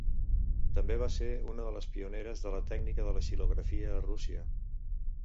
També va ser una de les pioneres de la tècnica de xilografia a Rússia.